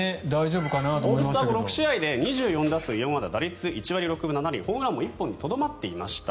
オールスター後６試合で２４打数４安打打率１割６分７厘ホームランも１本にとどまっていました。